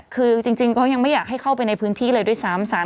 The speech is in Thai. คือจริงก็ยังไม่อยากให้เข้าไปในพื้นที่เลยด้วยซ้ำ